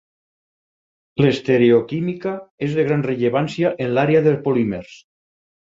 L'estereoquímica és de gran rellevància en l'àrea de polímers.